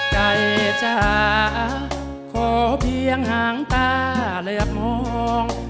ใครจะโขเพียงห่างตาเลือดมอง